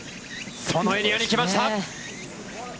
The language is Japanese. そのエリアに来ました！